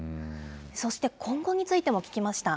そして今後についても聞きました。